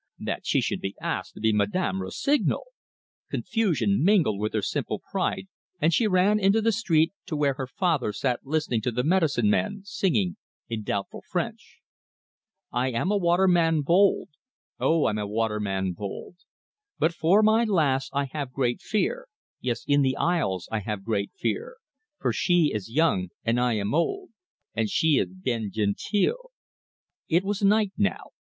That she should be asked to be Madame Rossignol! Confusion mingled with her simple pride, and she ran out into the street, to where her father sat listening to the medicine man singing, in doubtful French: "I am a waterman bold, Oh, I'm a waterman bold: But for my lass I have great fear, Yes, in the isles I have great fear, For she is young, and I am old, And she is bien gentille!" It was night now.